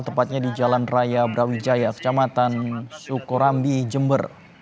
tepatnya di jalan raya brawijaya kecamatan sukorambi jember